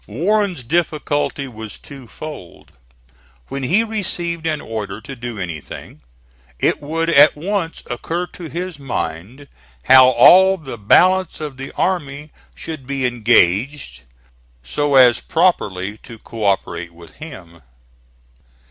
Warren's difficulty was twofold: when he received an order to do anything, it would at once occur to his mind how all the balance of the army should be engaged so as properly to co operate with him.